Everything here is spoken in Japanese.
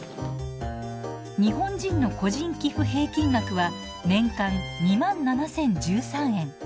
日本人の個人寄付平均額は年間２７，０１３円。